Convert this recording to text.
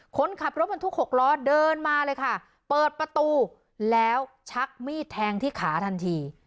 คนขับรถบรรทุก๖ล้อเดินมาเลยค่ะเปิดประตูแล้วชักมีดแทงที่ขาทันที